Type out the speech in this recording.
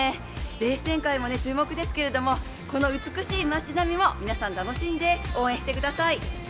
レース展開も注目ですけれども、この美しい街並みも皆さん楽しんで、応援してください。